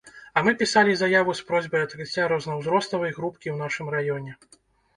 А мы пісалі заяву з просьбай адкрыцця рознаўзроставай групкі ў нашым раёне.